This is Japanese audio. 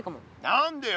何でよ？